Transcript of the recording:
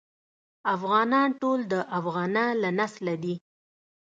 افغانان ټول د افغنه له نسله دي.